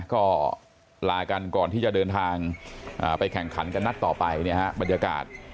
ก็ลากันก่อนที่จะเดินทางไปแข่งขันกันนัดต่อไปเนี่ยฮะบรรยากาศ